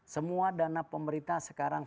semua dana pemerintah sekarang